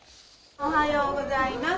おはようございます。